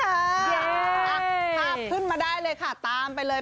ภาพขึ้นมาได้เลยค่ะตามไปเลย